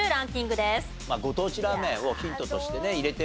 ご当地ラーメンをヒントとしてね入れております。